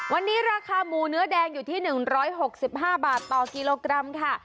วันนี้ราคาหมูเนื้อแดงอยู่ที่๑๖๕บาทต่อกิโลกรัมค่ะ